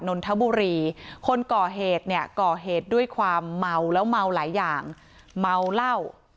นนทบุรีคนก่อเหตุเนี่ยก่อเหตุด้วยความเมาแล้วเมาหลายอย่างเมาเหล้า